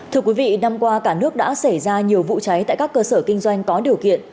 thưa quý vị năm qua cả nước đã xảy ra nhiều vụ cháy tại các cơ sở kinh doanh có điều kiện